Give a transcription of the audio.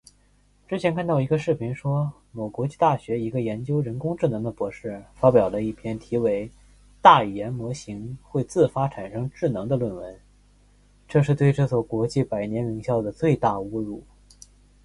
之前看到一个视频说某国际大学一个研究人工智能的博士发表了一篇题为:大语言模型会自发产生智能的论文，这是对这所国际百年名校的最大侮辱